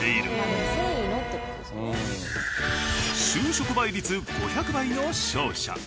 就職倍率５００倍の商社。